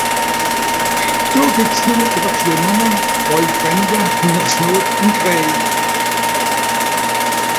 Do gebt's numme Ewerschwemmunge, Waldbrände, Hungersnot un Kriej